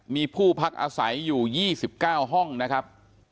มีผู้พักอาศัยอยู่๒๙ห้องนะครับ